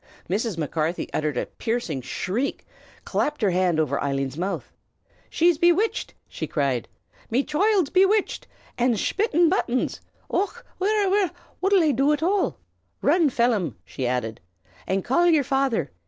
Mrs. Macarthy uttered a piercing shriek, and clapped her hand over Eileen's mouth. "She's bewitched!" she cried. "Me choild's bewitched, an' shpakin' buttons! Och, wirra! wirra! what'll I do at all? Run, Phelim," she added, "an' call yer father.